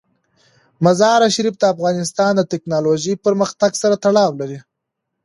مزارشریف د افغانستان د تکنالوژۍ پرمختګ سره تړاو لري.